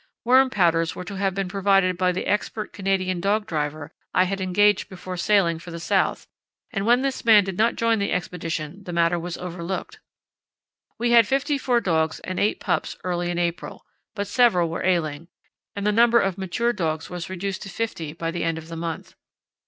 Worm powders were to have been provided by the expert Canadian dog driver I had engaged before sailing for the south, and when this man did not join the Expedition the matter was overlooked. We had fifty four dogs and eight pups early in April, but several were ailing, and the number of mature dogs was reduced to fifty by the end of the month.